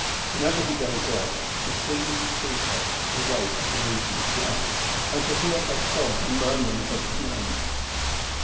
Whenever he dozed off he seemed to see her awake and weeping, yes, and to hear her sobs and murmurings of his name.